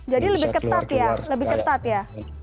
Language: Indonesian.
jadi lebih ketat ya lebih ketat ya